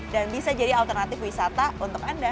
dan bisa jadi alternatif wisata untuk anda